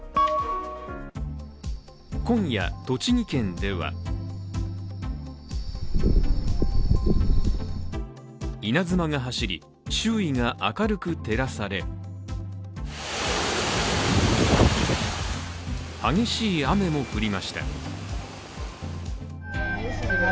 今夜、栃木県では稲妻が走り、周囲が明るく照らされ激しい雨も降りました。